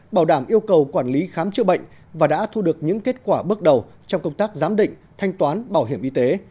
bảo đảm yêu cầu quản lý khám chữa bệnh và đã thu được những kết quả bước đầu trong công tác giám định thanh toán bảo hiểm y tế